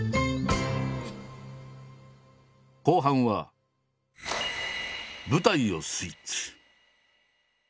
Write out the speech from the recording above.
後半は舞台をスイッチ。